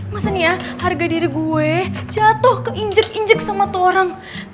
masa nih ya harga diri gue jatuh keinjek injek sama tuh orang